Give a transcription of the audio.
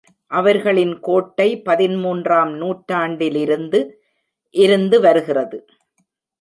அவர்களின் கோட்டை பதின்மூன்றாம் நூற்றாண்டிலிருந்து இருந்துவருகிறது.